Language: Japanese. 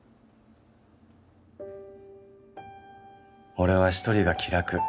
俺は１人が気楽。